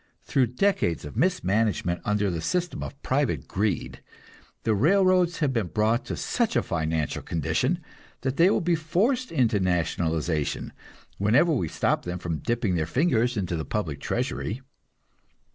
Through decades of mismanagement under the system of private greed, the railroads have been brought to such a financial condition that they will be forced into nationalization, whenever we stop them from dipping their fingers into the public treasury.